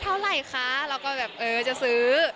เท่าไหร่คะเราก็แบบเออจะซื้อ